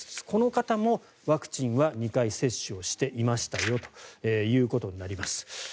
この方もワクチンは２回接種をしていましたよということになります。